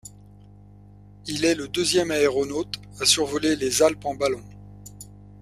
Il est le deuxième aéronaute à survoler les Alpes en ballon.